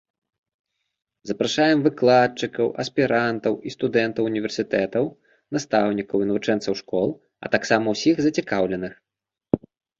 Запрашаем выкладчыкаў, аспірантаў і студэнтаў універсітэтаў, настаўнікаў і навучэнцаў школ, а таксама ўсіх зацікаўленых.